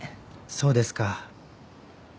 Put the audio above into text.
そうですか。